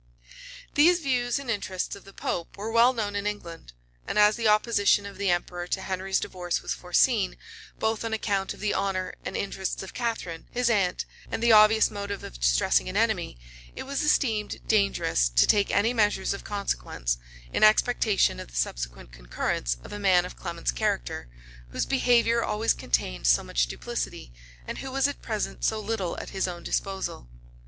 These views and interests of the pope were well known in England; and as the opposition of the emperor to Henry's divorce was foreseen, both on account of the honor and interests of Catharine, his aunt, and the obvious motive of distressing an enemy, it was esteemed dangerous to take any measure of consequence, in expectation of the subsequent concurrence of a man of Clement's character, whose behavior always contained so much duplicity, and who was at present so little at his own disposal.